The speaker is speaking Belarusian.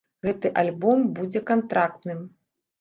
Гэты альбом будзе кантрактным.